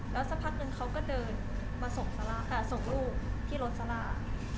แล้วสักพักนึงเขาก็เดินมาส่งลูกที่รถซาลา